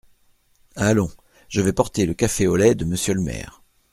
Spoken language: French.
Allons ! je vais porter le café au lait de monsieur le maire !…